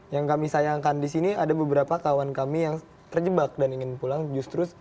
yang kami sayangkan di sini ada beberapa kawan kami yang terjebak dan ingin pulang justru